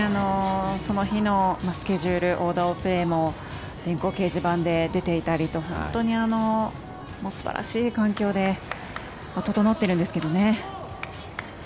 その日のスケジュールオーダーも電光掲示板で出ていたりと本当に素晴らしい環境で整っているんですけどね。